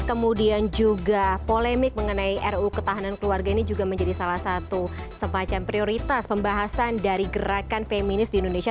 kemudian juga polemik mengenai ruu ketahanan keluarga ini juga menjadi salah satu semacam prioritas pembahasan dari gerakan feminis di indonesia